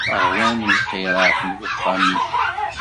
Ṛwan lxirat n uxxam-ik.